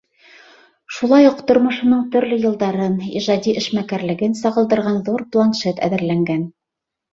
Шулай уҡ тормошоноң төрлө йылдарын, ижади эшмәкәрлеген сағылдырған ҙур планшет әҙерләнгән.